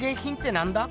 なんだ？